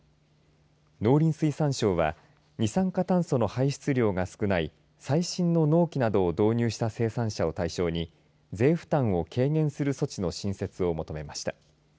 農林水産省は二酸化炭素の排出量が少ない最新の農機などを導入した生産者を対象に税負担を軽減する措置の新設を求めました。